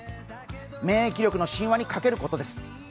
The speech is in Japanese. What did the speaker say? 免疫力の親和にかけることです。